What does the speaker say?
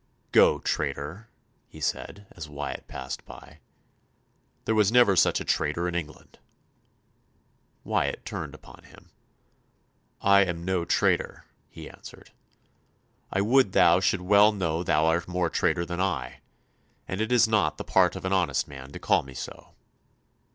"Go, traitor," he said, as Wyatt passed by, "there was never such a traitor in England." Wyatt turned upon him. "I am no traitor," he answered. "I would thou should well know thou art more traitor than I; and it is not the part of an honest man to call me so."